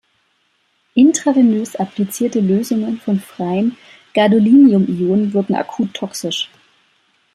Intravenös applizierte Lösungen von freien Gadolinium-Ionen wirken akut toxisch.